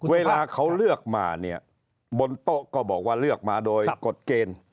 เวลาเขาเลือกมาเนี่ยบนโต๊ะก็บอกว่าเลือกมาโดยกฎเกณฑ์